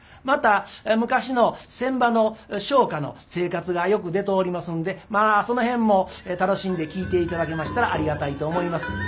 また昔の船場の商家の生活がよく出ておりますんでまあその辺も楽しんで聴いて頂けましたらありがたいと思います。